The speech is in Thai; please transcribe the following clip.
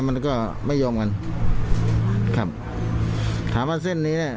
มันก็ไม่ยอมกันครับถามว่าเส้นนี้เนี่ย